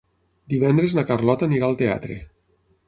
Divendres na Carlota anirà al teatre.